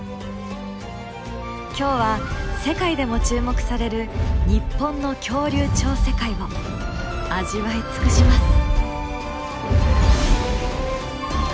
今日は世界でも注目される日本の恐竜超世界を味わい尽くします！